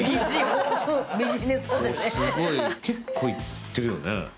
結構行ってるよね。